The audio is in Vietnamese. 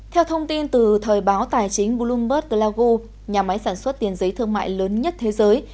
theo thông tin từ thời báo tài chính bloomberg galago nhà máy sản xuất tiền giấy thương mại lớn nhất thế giới